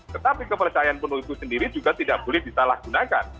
tetapi kepercayaan penuh itu sendiri juga tidak boleh disalahgunakan